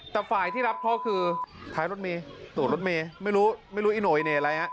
แต่ฝ่ายที่รับเคราะห์คือท้ายรถเมย์ตัวรถเมย์ไม่รู้ไม่รู้อีโหยเน่อะไรฮะ